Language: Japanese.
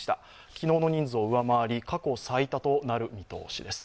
昨日の人数を上回り過去最多となる見通しです。